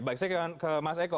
baik saya ke mas eko